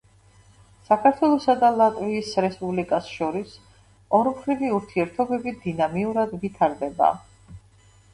საქართველოსა და ლატვიის რესპუბლიკას შორის ორმხრივი ურთიერთობები დინამიურად ვითარდება.